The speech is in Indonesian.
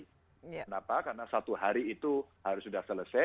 kenapa karena satu hari itu harus sudah selesai